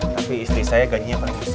tapi istri saya gajinya paling besar